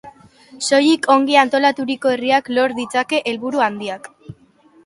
Soilik ongi antolaturiko herriak lor ditzake helburu handiak.